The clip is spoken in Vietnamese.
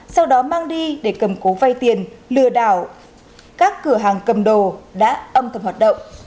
sau đó mang đi để cầm cố vay tiền lừa đảo các cửa hàng cầm đồ đã âm thầm hoạt động